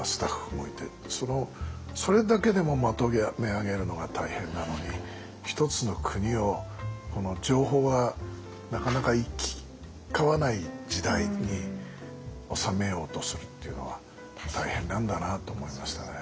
そのそれだけでもまとめ上げるのが大変なのに一つの国を情報がなかなか行き交わない時代に治めようとするっていうのは大変なんだなって思いましたね。